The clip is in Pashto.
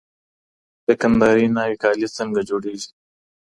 د کندهاري ناوې کالي څنګه جوړېږي؟